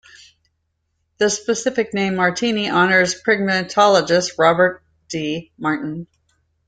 The specific name, "martini", honors primatologist Robert D. Martin.